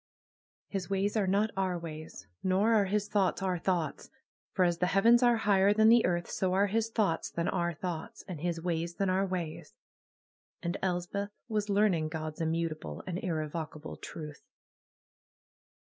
''His ways are not our ways; nor are His thoughts our thoughts; for as the heavens are higher than the earth, so are His thoughts than our thoughts, and His ways than our ways.^' And Elspeth was learn ing Gods' immutable and irrevocable truth.